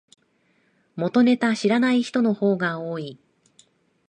元ネタ知らない人の方が多い